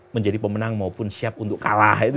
menjadi pemenang maupun siap untuk kalah